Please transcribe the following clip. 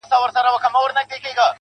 لکه نغمه لکه سيتار خبري ډيري ښې دي.